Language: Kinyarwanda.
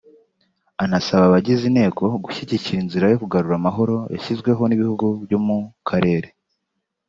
anasaba abagize Inteko gushyigikira inzira yo kugarura amahoro yashyizweho n’ibihugu byo mu Karere